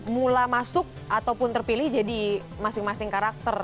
mula masuk ataupun terpilih jadi masing masing karakter